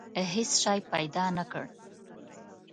هېڅ شی پیدا نه کړ.